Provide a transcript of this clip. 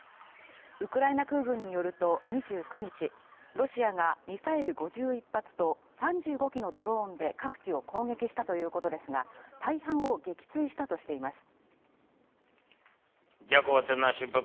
ウクライナ空軍によると、２９日、ロシアがミサイル５１発と３５機のドローンで各地を攻撃したということですが、大半を撃墜したとしています。